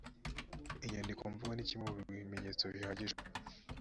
inyandiko mvugo ni kimwe mu bimenyetso bihagije